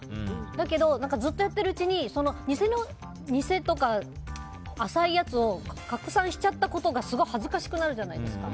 だけどずっとやっているうちに偽とか浅いやつを拡散しちゃったことがすごい恥ずかしくなるじゃないですか。